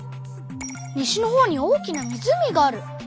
西のほうに大きな湖がある！